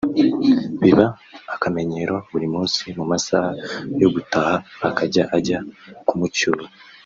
biba akamenyero buri munsi mu masaha yo gutaha akajya ajya kumucyura